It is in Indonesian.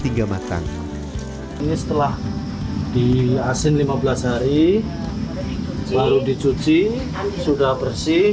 hingga matang ini setelah di asin lima belas hari baru dicuci sudah bersih